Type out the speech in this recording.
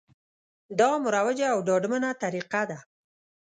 دا مروجه او ډاډمنه طریقه ده